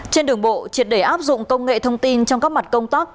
trên đường bộ triệt để áp dụng công nghệ thông tin trong các mặt công tác